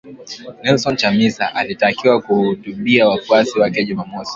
Nelson Chamisa, alitakiwa kuhutubia wafuasi wake Jumamosi.